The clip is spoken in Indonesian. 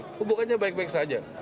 hubungannya baik baik saja